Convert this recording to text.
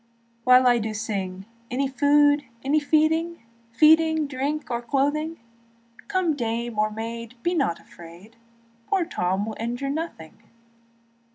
But I do sing, Any food, any feeding, Feeding, drink, or clothing; Come dame or maid, be not afraid, Poor Tom will injure nothing.